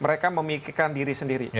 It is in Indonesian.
mereka memikirkan diri sendiri